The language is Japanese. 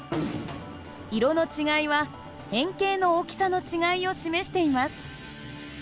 色の違いは変形の大きさの違いを示しています。